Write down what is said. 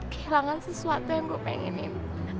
kehilangan sesuatu yang gue pengeninin